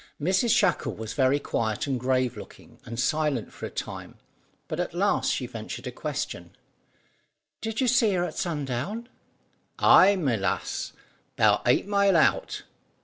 Mrs Shackle was very quiet and grave looking and silent for a time, but at last she ventured a question. "Did you see her at sundown?" "Ay, my lass. 'Bout eight mile out."